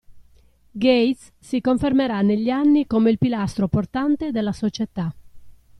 Gates si confermerà negli anni come il pilastro portante della società.